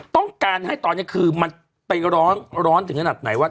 ต้องการให้ตอนนี้คือมันไปร้อนถึงขนาดไหนว่า